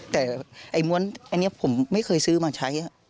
แต่ไอ้ม้วนอันนี้ผมไม่เคยซื้อมาใช้